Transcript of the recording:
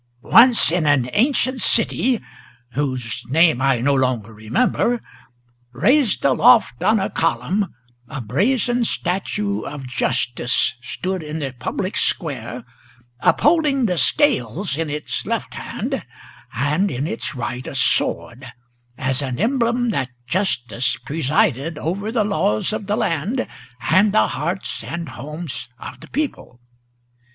"Once in an ancient city, whose name I no longer remember, Raised aloft on a column, a brazen statue of Justice Stood in the public square, upholding the scales in its left hand, And in its right a sword, as an emblem that justice presided Over the laws of the land, and the hearts and homes of the people.